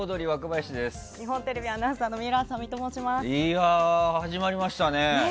日本テレビアナウンサーのいやー、始まりましたね。